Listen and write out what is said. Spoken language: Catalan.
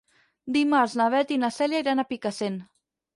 Dimarts na Beth i na Cèlia iran a Picassent.